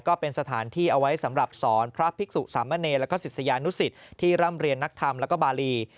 ก็เป็นสถานที่เอาไว้สำหรับสอนพระภิกษุสามเณรและก็ศิษยานุสิตที่ร่ำเรียนนักธรรมแล้วก็บารี